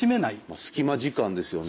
まあ隙間時間ですよね。